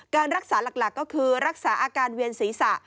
การรักษาหลักก็คือรักษาอาการเวียนศีรษะ